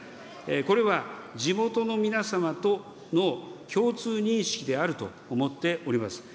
これは、地元の皆様の共通認識であると思っております。